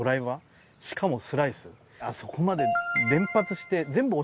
あそこまで連発して。